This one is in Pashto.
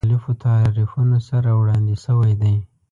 له مختلفو تعریفونو سره وړاندې شوی دی.